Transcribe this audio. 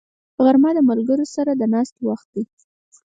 غرمه د ملګرو سره د ناستې وخت دی